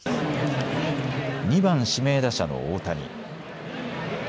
２番・指名打者の大谷。